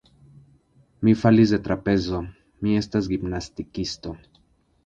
Mi falis de trapezo, mi estas gimnastikisto.